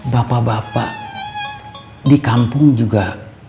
bapak bapak di kampung juga